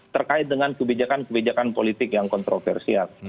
terkait dengan kebijakan kebijakan politik yang kontroversial